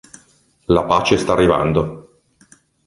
La pace sta arrivando.